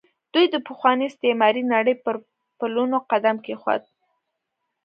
دوی د پخوانۍ استعماري نړۍ پر پلونو قدم کېښود.